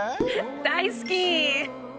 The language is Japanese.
大好き！